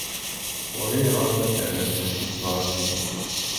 Ulayɣer ma terramt-as i tebṛat-nni.